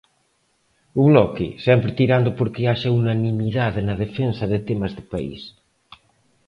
O Bloque, sempre tirando porque haxa unanimidade na defensa de temas de país.